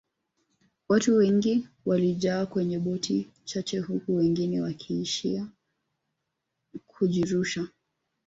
watu wengi walijaa kwenye boti chache huku wengine wakiishia kujirusha